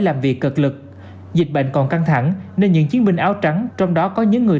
làm việc cực lực dịch bệnh còn căng thẳng nên những chiến binh áo trắng trong đó có những người